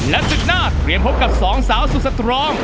และศึกหน้าเตรียมพบกับสองสาวสุดสตรอง